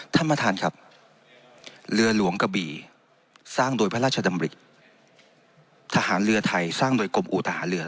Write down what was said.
ท่านประธานครับเรือหลวงกะบี่สร้างโดยพระราชดำริทหารเรือไทยสร้างโดยกรมอู่ทหารเรือ